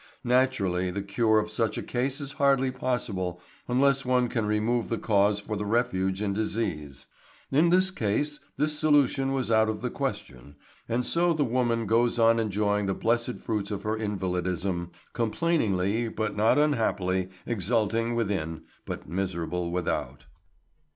Naturally the cure of such a case is hardly possible unless one can remove the cause for the refuge in disease. In this case this solution was out of the question, and so the woman goes on enjoying the blessed fruits of her invalidism, complainingly but not unhappily, exulting within, but miserable without.